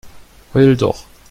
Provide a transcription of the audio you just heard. Heul doch!